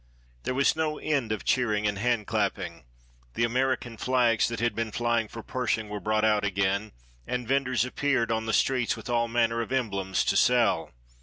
There was no end of cheering and handclapping. The American flags that had been flying for Pershing were brought out again, and venders appeared on the streets with all manner of emblems to sell.